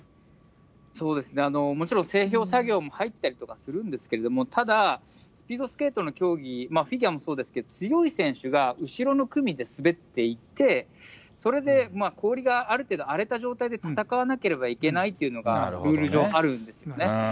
そうですね、もちろん製氷作業も入ったりとかもするんですけど、ただ、スピードスケートの競技、フィギュアもそうですけど、強い選手が後ろの組で滑っていて、それで氷がある程度、荒れた状態で戦わなければいけないっていうのが、ルール上、あるんですよね。